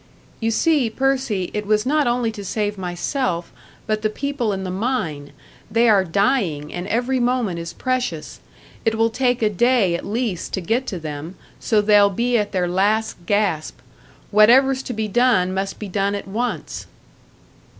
"You see, Percy, it was not only to save myself, but the people in the mine! They are dying, and every moment is precious. It will take a day at least to get to them, so they'll be at their last gasp. Whatever's to be done must be done at once."